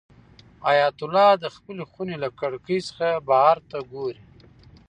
حیات الله د خپلې خونې له کړکۍ څخه بهر ته ګوري.